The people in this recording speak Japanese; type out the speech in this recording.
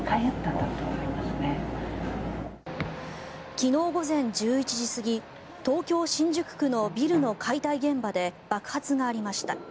昨日午前１１時過ぎ東京・新宿区のビルの解体現場で爆発がありました。